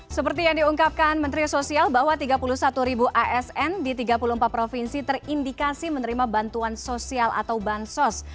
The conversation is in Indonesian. seperti yang diungkapkan menteri sosial bahwa tiga puluh satu ribu asn di tiga puluh empat provinsi terindikasi menerima bantuan sosial atau bansos